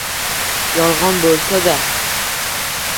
Yolg‘on bo‘lsada…